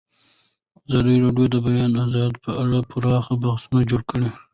ازادي راډیو د د بیان آزادي په اړه پراخ بحثونه جوړ کړي.